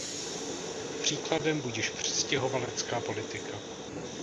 Příkladem budiž přistěhovalecká politika.